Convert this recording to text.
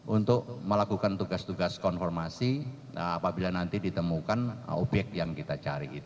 untuk melakukan tugas tugas konformasi apabila nanti ditemukan obyek yang kita cari